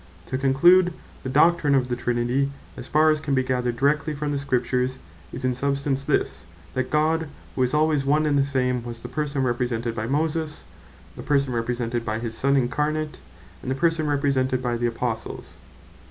To conclude, the doctrine of the Trinity, as far as can be gathered directly from the Scripture, is in substance this; that God who is alwaies One and the same, was the Person Represented by Moses; the Person Represented by his Son Incarnate; and the Person Represented by the Apostles.